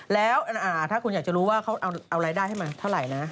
แล้วถ้าคุณอยากจะรู้ว่าเขาเอารายได้ให้มันเท่าไหร่นะ